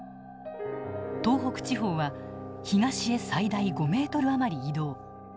東北地方は東へ最大５ｍ余り移動。